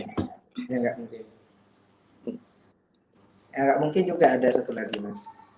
yang gak mungkin juga ada satu lagi mas